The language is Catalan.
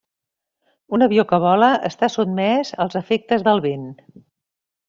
Un avió que vola està sotmès als efectes del vent.